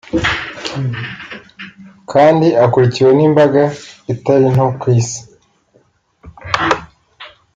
kandi akurikiwe n’imbaga itari nto ku Isi